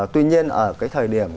tuy nhiên ở cái thời điểm